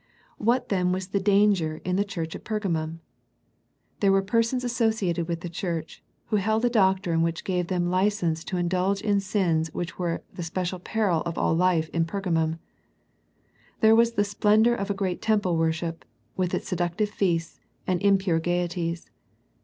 What then was the danger in the church at Pergamum? There were persons associated with the church, who held a doctrine which gave them license to indulge in sins which were the special peril of all life in Pergamum. There was the splendour of a great temple worship, with its seductive feasts, and impure gaieties.